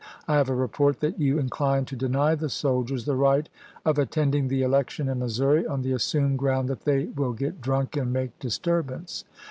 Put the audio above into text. I have a report that you incline to deny the soldiers the right of attending the election in Missouri, on the assumed ground that they will get drunk and make disturbance.